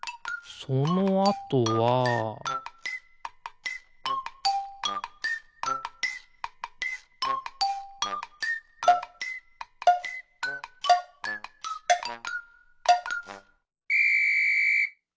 そのあとはピッ！